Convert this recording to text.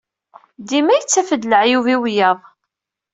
Dima yettaf-d leɛyub i wiyaḍ.